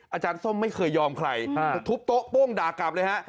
ส้มไม่เคยยอมใครจะทุบโต๊ะโป้งด่ากลับเลยฮะ